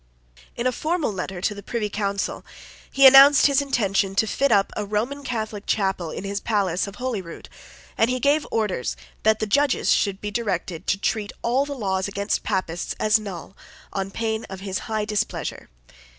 In a formal letter to the Privy Council he announced his intention to fit up a Roman Catholic chapel in his palace of Holyrood; and he gave orders that the Judges should be directed to treat all the laws against Papists as null, on pain of his high displeasure.